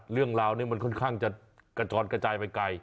เรื่องราวนี้มันค่อนข้างจะกระจอนกระจายไปไกล